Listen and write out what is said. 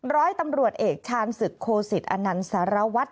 ร้อยตำรวจเอกชาญศึกโคสิตอนันต์สารวัตร